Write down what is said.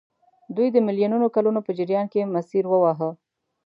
دوی د میلیونونو کلونو په جریان کې مسیر وواهه.